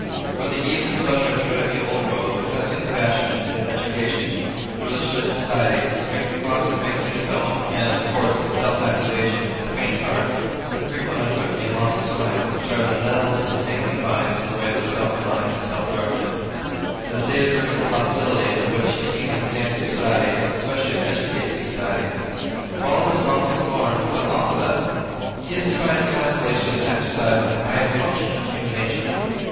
For the ease and pleasure of treading the old road, accepting the fashions, the education, the religion of society, he takes the cross of making his own, and, of course, the self accusation, the faint heart, the frequent uncertainty and loss of time, which are the nettles and tangling vines in the way of the self relying and self directed; and the state of virtual hostility in which he seems to stand to society, and especially to educated society. For all this loss and scorn, what offset? He is to find consolation in exercising the highest functions of human nature.